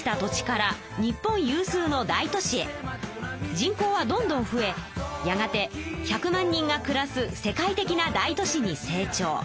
人口はどんどん増えやがて１００万人がくらす世界的な大都市に成長。